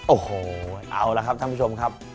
โอ้โหเอาละครับท่านผู้ชมครับ